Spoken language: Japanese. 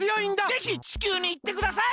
ぜひ地球にいってください！